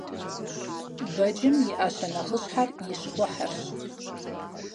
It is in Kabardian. Бэджым и Iэщэ нэхъыщхьэр и щхъухьырщ.